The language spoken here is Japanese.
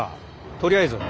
とりあえず。